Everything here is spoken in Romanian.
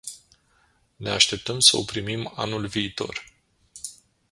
Ne așteptăm să o primim anul viitor.